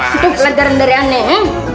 sudah pelajaran dari aneh